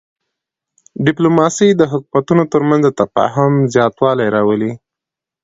ډیپلوماسي د حکومتونو ترمنځ د تفاهم زیاتوالی راولي.